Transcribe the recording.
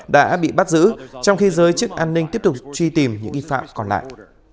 đã bị bắt giữ trong khi giới chức an ninh tiếp tục truy tìm những nghi phạm còn lại